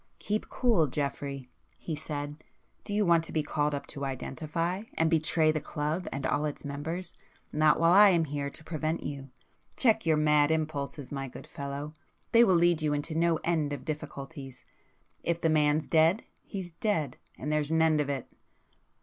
"Keep cool, Geoffrey!" he said—"Do you want to be called up to identify? And betray the club and all its members? Not while I am here to prevent you! Check your mad impulses, my good fellow,—they will lead you into no end of difficulties. If the man's dead he's dead, and there's an end of it."